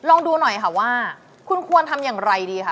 ลองดูหน่อยค่ะว่าคุณควรทำอย่างไรดีคะ